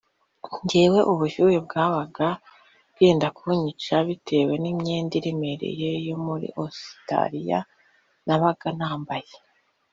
njye ubushyuhe bwabaga bwenda kunyica bitewe n imyenda iremereye yo muri ositaraliya nabaga nambaye